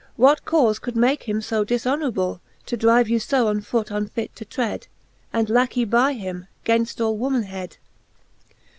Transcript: What caufe could make him {o diftionourable, To drive you ib on foot unfit to tread, And lackey by him, gainft all womanhead?